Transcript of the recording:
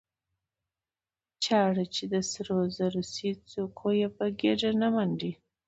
ـ چاړه چې د سرو زرو شي څوک يې په ګېډه نه منډي.